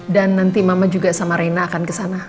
dan sama reina akan kesana